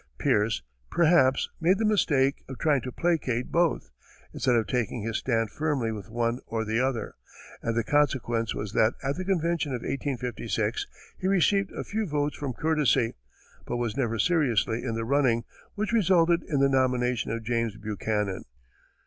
Pierce, perhaps, made the mistake of trying to placate both, instead of taking his stand firmly with one or the other; and the consequence was that at the convention of 1856, he received a few votes from courtesy, but was never seriously in the running, which resulted in the nomination of James Buchanan.